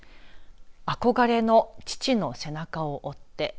憧れの父の背中を追って。